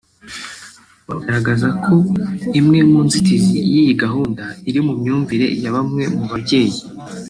bagaragaza ko imwe mu nzitizi y’iyi gahunda ari imyumvire ya bamwe mu babyeyi